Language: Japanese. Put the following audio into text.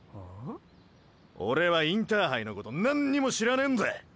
オレはインターハイのこと何ンにも知らねぇんだ。